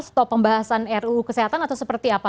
stop pembahasan ruu kesehatan atau seperti apa